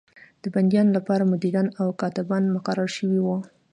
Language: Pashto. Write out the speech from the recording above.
د بندیانو لپاره مدیران او کاتبان مقرر شوي وو.